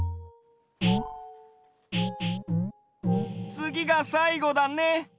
つぎがさいごだね。